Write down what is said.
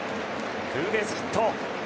ツーベースヒット。